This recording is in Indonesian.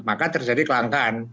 maka terjadi kelangkaan